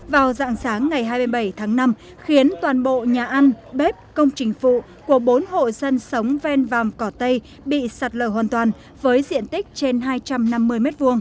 vụ sạt lở tại ấp rạch chanh vào dạng sáng ngày hai mươi bảy tháng năm khiến toàn bộ nhà ăn bếp công trình phụ của bốn hộ dân sống ven vàm cỏ tây bị sạt lở hoàn toàn với diện tích trên hai trăm năm mươi m hai